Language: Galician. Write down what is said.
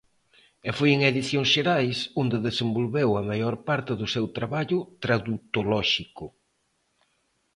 E foi en Edicións Xerais onde desenvolveu a maior parte do seu traballo tradutolóxico.